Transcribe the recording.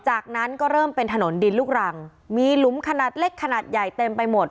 จากนั้นก็เริ่มเป็นถนนดินลูกรังมีหลุมขนาดเล็กขนาดใหญ่เต็มไปหมด